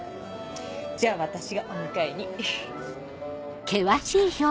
じゃあ私がお迎えに。